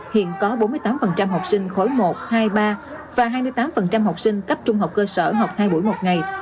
hiện có bốn mươi tám học sinh khối một hai ba và hai mươi tám học sinh cấp trung học cơ sở học hai buổi một ngày